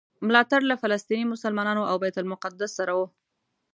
ملاتړ له فلسطیني مسلمانانو او بیت المقدس سره و.